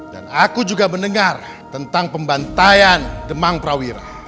dan aku juga mendengar tentang pembantaian demang prawira